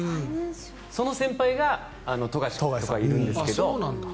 その先輩が富樫さんとかがいるんですけど。